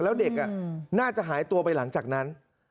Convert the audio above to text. แล้วเด็กน่าจะหายตัวไปหลังจากนั้น